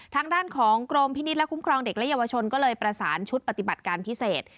ทางด้านของกรมพินิษฐ์และคุ้มครองเด็กและเยาวชนก็เลยประสานชุดปฏิบัติการพิเศษ